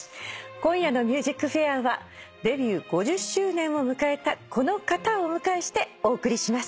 今夜の『ＭＵＳＩＣＦＡＩＲ』はデビュー５０周年を迎えたこの方をお迎えしてお送りします。